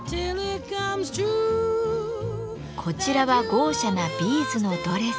こちらは豪奢なビーズのドレス。